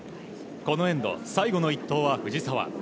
このエンド、最後の１投は藤澤。